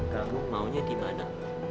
kamu maunya dimana